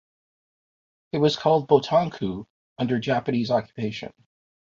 It was called "Botankou" under Japanese occupation.